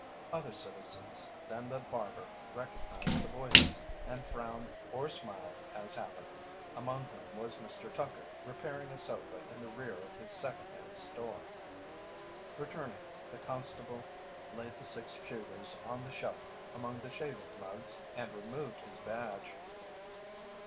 Other citizens than the barber recognized the voices, and frowned or smiled as happened, among whom was Mr. Tucker repairing a sofa in the rear of his "Second Hand Store." Returning, the constable laid the six shooters on the shelf among the shaving mugs and removed his badge.